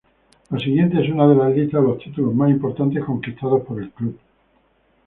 La siguiente es una lista de los títulos más importantes conquistados por el club.